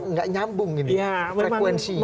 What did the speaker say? nggak nyambung ini frekuensinya